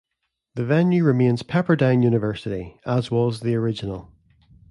The venue remains Pepperdine University, as was the original.